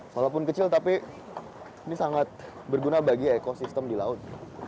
walaupun kecil tapi ini sangat berguna bagi ekosistem di laut